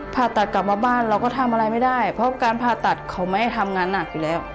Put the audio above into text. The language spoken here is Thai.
ผ่าตัดกลับมาบ้านเราก็ทำอะไรไม่ได้เพราะการผ่าตัดเขาไม่ให้ทำงานหนักอยู่แล้ว